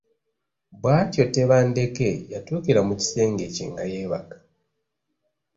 Bw’atyo Tebandeke yatuukira mu kisenge kye nga yeebaka.